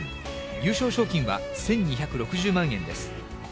優勝賞金は１２６０万円です。